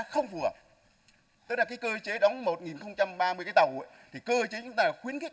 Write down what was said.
không phù hợp tức là cái cơ chế đóng một ba mươi cái tàu thì cơ chế chúng ta là khuyến khích